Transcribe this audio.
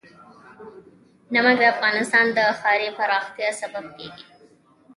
نمک د افغانستان د ښاري پراختیا سبب کېږي.